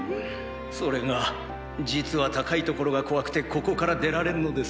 それが実は高い所が怖くてここから出られんのです。